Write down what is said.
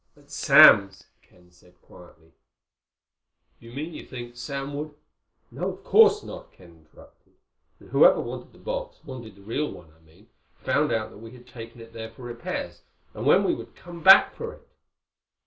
"At Sam's," Ken said quietly. "You mean you think Sam would—?" "No, of course not," Ken interrupted. "But whoever wanted the box—wanted the real one, I mean—found out that we had taken it there for repairs, and when we would come back for it."